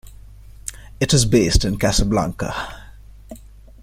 It is based in Casablanca.